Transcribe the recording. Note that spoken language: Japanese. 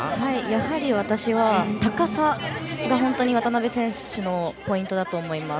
やはり私は高さが渡部選手のポイントだと思います。